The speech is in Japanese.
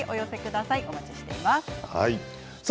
お待ちしています。